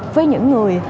với những người